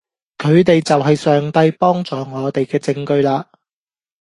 佢哋就係上帝幫助我哋嘅證據嘞